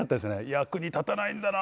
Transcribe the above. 役に立たないんだな